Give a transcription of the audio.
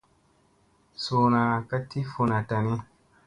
Suuna ka ti funa tani.